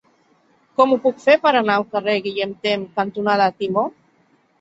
Com ho puc fer per anar al carrer Guillem Tell cantonada Timó?